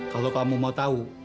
kalau kamu mau tahu